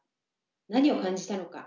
何を感じたのか？